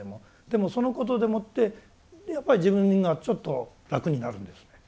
でもそのことでもってやっぱり自分がちょっと楽になるんですね。